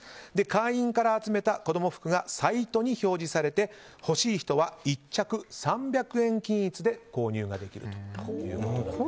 会員から集めた子供服がサイトに表示されて欲しい人は１着３００円均一で購入できるということです。